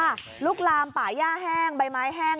ลุกลามป่าย่าแห้งใบไม้แห้ง